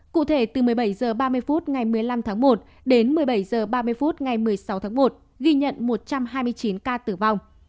cụ thể từ một mươi bảy h ba mươi phút ngày một mươi năm tháng một đến một mươi bảy h ba mươi phút ngày một mươi sáu tháng một ghi nhận một trăm hai mươi chín ca tử vong